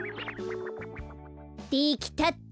できたっと。